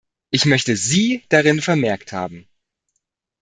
Ich möchte sie darin vermerkt haben.